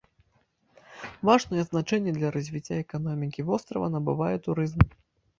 Важнае значэнне для развіцця эканомікі вострава набывае турызм.